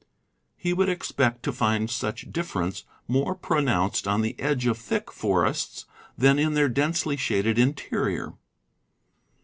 He would expect to find such difference more pronounced on the edge of thick forests than in their densely shaded interior.